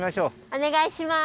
おねがいします。